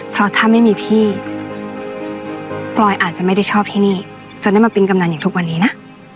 เพราะถ้าไม่มีพี่ปลอยอาจจะไม่ได้ชอบที่นี่จนได้มาเป็นกำนันอย่างทุกวันนี้นะ